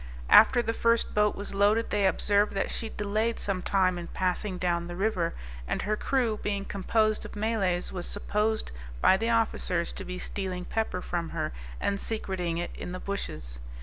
After the first boat was loaded, they observed that she delayed some time in passing down the river, and her crew being composed of Malays, was supposed by the officers to be stealing pepper from her, and secreting it in the bushes.